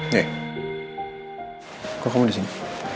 nih kok kamu disini